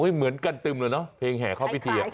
เหมือนกันตึมเลยเนอะเพลงแห่เข้าพิธี